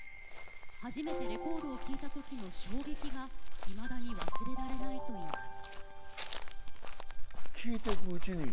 初めてレコードを聴いた時の衝撃がいまだに忘れられないといいます。